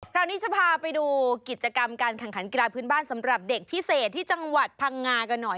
คราวนี้จะพาไปดูกิจกรรมการแข่งขันกีฬาพื้นบ้านสำหรับเด็กพิเศษที่จังหวัดพังงากันหน่อย